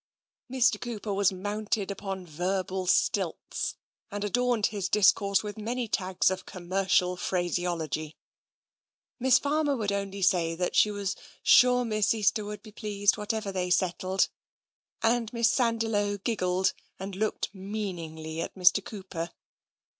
Mr. Cooper was mounted upon verbal stilts, and adorned his discourse with many tags of commercial phraseology ; Miss Farmer would only say that she was sure Miss Easter would be pleased whatever they settled; and Miss Sandiloe giggled and looked mean ingly at Mr. Cooper.